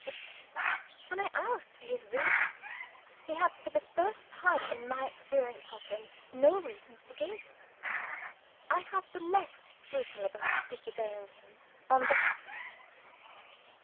But, when I asked for his reasons, he had, for the first time in my experience of him, no reasons to give. I have the less scruple about disobeying him, on that account.